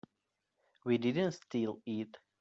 We didn't steal it.